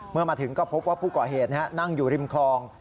เมื่อมาถึงก็พบว่าผู้ก่อเหตุนั่งอยู่ริมคลอง